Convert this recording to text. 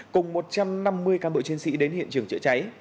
cùng một trăm năm mươi cán bộ chiến sĩ đến hiện trường chữa cháy